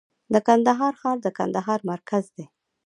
د کندهار ښار د کندهار مرکز دی